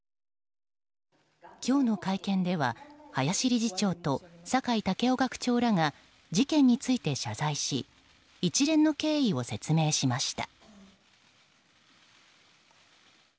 今日の会見では林理事長と酒井健夫学長らが事件について謝罪し一連の経緯を説明しました。